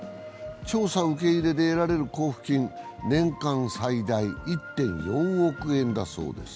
調査受け入れで得られる交付金、年間最大１．４億円だそうです。